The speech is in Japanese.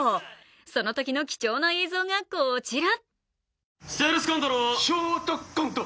そのときの貴重な映像がこちら。